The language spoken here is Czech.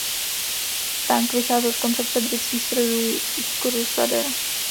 Tank vycházel z koncepce britských strojů Crusader.